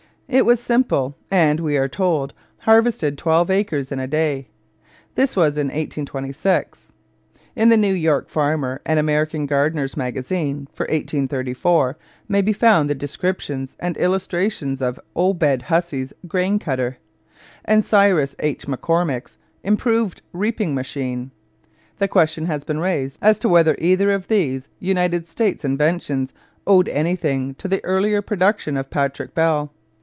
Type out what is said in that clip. It was simple, and, we are told, harvested twelve acres in a day. This was in 1826. In the New York Farmer and American Gardener's Magazine for 1834 may be found the descriptions and illustrations of Obed Hussey's grain cutter and Cyrus H. McCormick's 'improved reaping machine.' The question has been raised as to whether either of these United States inventions owed anything to the earlier production of Patrick Bell.